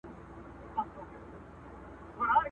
هغه پاڅي تشوي به کوثرونه!.